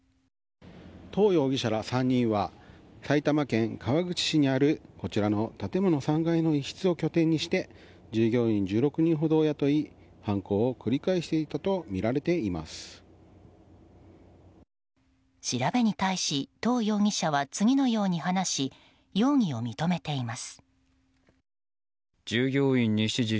トウ容疑者ら３人は埼玉県川口市にあるこちらの建物３階の一室を拠点にして従業員１６人ほどを雇い犯行を繰り返していたと調べに対し、トウ容疑者は次のように話し容疑を認めています。